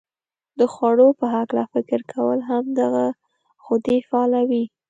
د خوړو په هلکه فکر کول هم دغه غدې فعالوي.